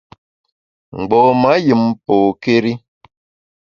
Mgbom-a yùm pôkéri.